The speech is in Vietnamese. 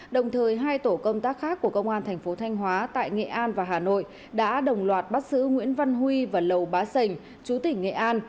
đồng thời hai tổ công tác khác của công an thành phố thanh hóa tại nghệ an và hà nội đã đồng loạt bắt giữ nguyễn văn huy và lầu bá sành chú tỉnh nghệ an